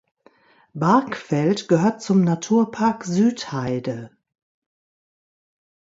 Bargfeld gehört zum Naturpark Südheide.